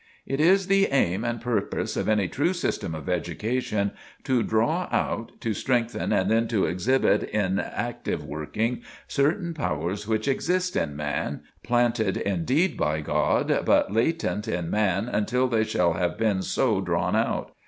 "It is the aim and purpose of any true system of education to draw out, to strengthen and to exhibit in active working, certain powers which exist in man, planted, indeed, by God, but latent in man until they shall have been so drawn out.